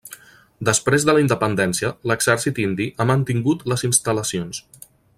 Després de la independència l'exèrcit indi ha mantingut les instal·lacions.